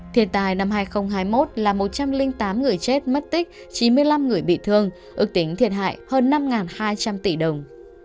thiên tai năm hai nghìn hai mươi một là một trăm linh tám người chết mất tích chín mươi năm người bị thương ước tính thiệt hại hơn năm hai trăm linh tỷ đồng